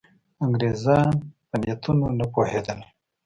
انګرېزان په نیتونو نه پوهېدل.